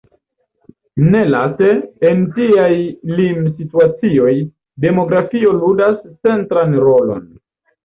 Nelaste, en tiaj limsituacioj, demografio ludas centran rolon.